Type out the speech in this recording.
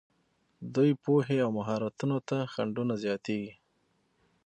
دوی پوهې او مهارتونو ته خنډونه زیاتېږي.